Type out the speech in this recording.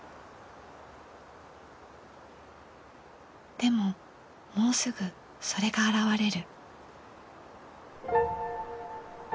でももうすぐそれが現れる。